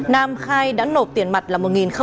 nam khai đắn nộp tiền mặt là một